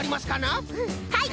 はい！